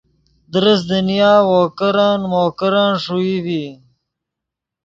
درست دنیا وو کرن مو کرن ݰوئی ڤی